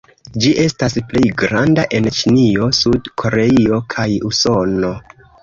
Ĝi estas plej granda en Ĉinio, Sud-Koreio kaj Usono.